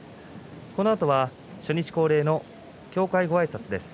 このあとは初日恒例の協会ごあいさつです。